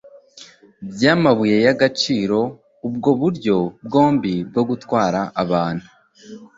by amabuye y agaciro ubwo buryo bwombi bwo gutwara abantu